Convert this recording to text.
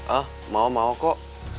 ah mau mau kok